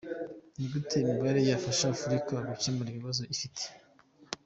Ni gute imibare yafasha Afurika gukemura ibibazo ifite?.